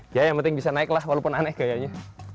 ya yang penting bisa naik lah walaupun aneh kayaknya